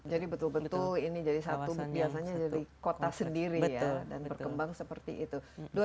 jadi betul betul ini jadi satu kota sendiri ya dan berkembang seperti itu